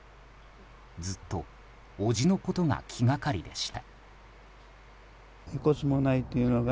ずっと叔父のことが気がかりでした。